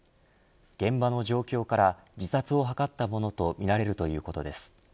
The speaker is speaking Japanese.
現場の状況から自殺を図ったものとみられるということです。